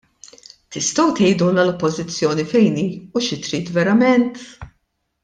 Tistgħu tgħidulna l-Oppożizzjoni fejn hi u xi trid verament?